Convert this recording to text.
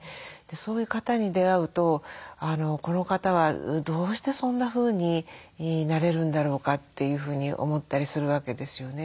そういう方に出会うとこの方はどうしてそんなふうになれるんだろうか？というふうに思ったりするわけですよね。